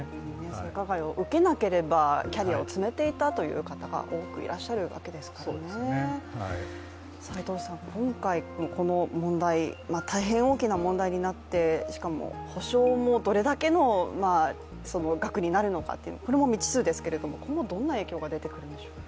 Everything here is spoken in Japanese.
性加害を受けなければキャリアを積めていたという方が多くいらっしゃるわけですからね今回のこの問題、大変大きな問題となって、しかも、補償もどれだけの額になるのか、これも未知数ですが今後どんな影響が出てくるんでしょうね？